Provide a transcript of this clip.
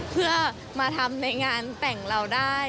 เพื่อมาทำในงานแต่งเราได้